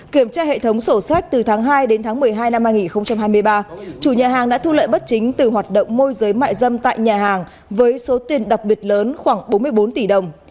kiểm tra hệ thống sổ sách từ tháng hai đến tháng một mươi hai năm hai nghìn hai mươi ba chủ nhà hàng đã thu lợi bất chính từ hoạt động môi giới mại dâm tại nhà hàng với số tiền đặc biệt lớn khoảng bốn mươi bốn tỷ đồng